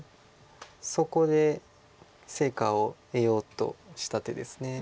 そこで成果を得ようとした手です。